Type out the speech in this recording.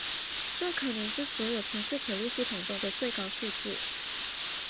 这可能是所有城市铁路系统中的最高数字。